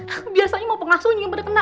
aku biasanya mau pengasuhnya tapi dia kena